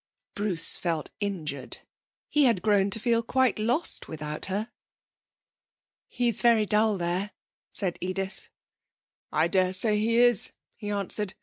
Bruce felt injured. He had grown to feel quite lost without her. 'He's very dull there,' said Edith. 'I dare say he is,' he answered.